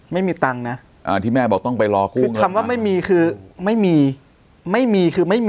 ไม่มีภูมิคือไม่มีเลยนะ